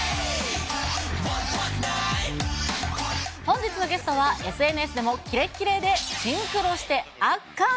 本日のゲストは、ＳＮＳでもきれっきれでシンクロして圧巻。